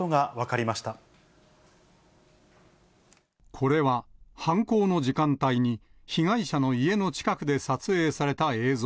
これは、犯行の時間帯に被害者の家の近くで撮影された映像。